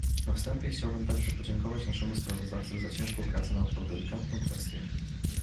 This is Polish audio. Na wstępie chciałbym także podziękować naszemu sprawozdawcy za ciężką pracę nad tą delikatną kwestią